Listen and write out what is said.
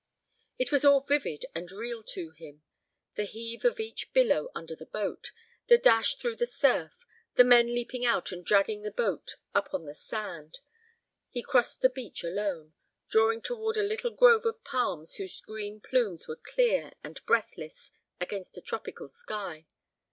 It was all vivid and real to him—the heave of each billow under the boat, the dash through the surf, the men leaping out and dragging the boat up on the sand. He crossed the beach alone, drawing toward a little grove of palms whose green plumes were clear and breathless against a tropical sky.